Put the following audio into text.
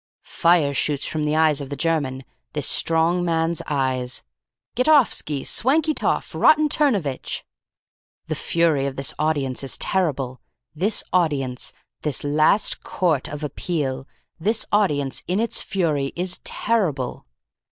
"Fire shoots from the eyes of the German. This strong man's eyes. "'Get offski! Swankietoff! Rotten turnovitch!' "The fury of this audience is terrible. This audience. This last court of appeal. This audience in its fury is terrible.